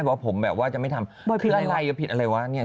เพราะผมแบบว่าจะไม่ทำอะไรวะผิดอะไรวะ